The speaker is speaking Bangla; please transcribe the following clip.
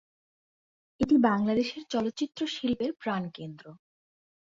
এটি বাংলাদেশের চলচ্চিত্র শিল্পের প্রাণকেন্দ্র।